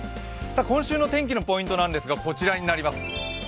今週の天気のポイントなんですがこちらになります。